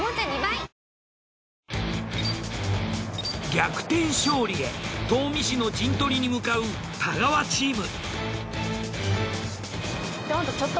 逆転勝利へ東御市の陣取りに向かう太川チーム。